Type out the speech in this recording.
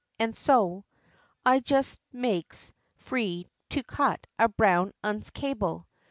And so I just makes free to cut a brown 'un's cable.